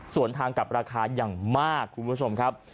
ส่วนทางกับราคาอย่างมากคุณผู้ชมครับ